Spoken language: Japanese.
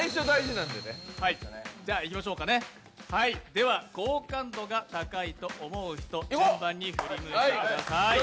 では好感度が高いと思う人、順番に振り向いてください。